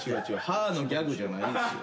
歯のギャグじゃないですよ。